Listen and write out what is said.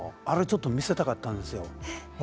あれをちょっと見せたかったんですよ